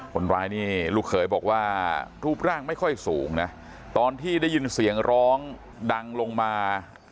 คนร้ายนี่ลูกเขยบอกว่ารูปร่างไม่ค่อยสูงนะตอนที่ได้ยินเสียงร้องดังลงมา